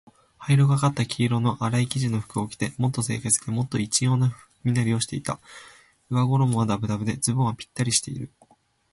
灰色がかった黄色のあらい生地の服を着て、もっと清潔で、もっと一様な身なりをしていた。上衣はだぶだぶで、ズボンはぴったりしている。